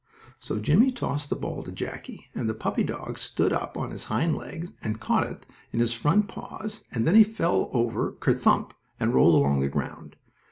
So Jimmie tossed the ball to Jackie, and the puppy dog stood up on his hind legs and caught it in his front paws, and then he fell right over, ker thump, and rolled along the ground.